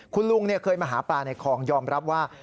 คุณลุงเคยมาหาปลาในคลองยอมรับว่า